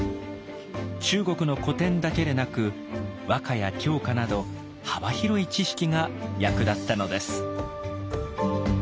中国の古典だけでなく和歌や狂歌など幅広い知識が役立ったのです。